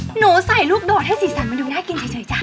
หนูใส่ลูกโดดให้สีสันมันดูน่ากินเฉยจ้ะ